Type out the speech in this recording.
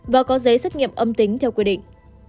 và có giấy xét nghiệm âm tính theo quy định